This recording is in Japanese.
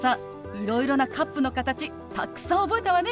いろいろなカップの形たくさん覚えたわね！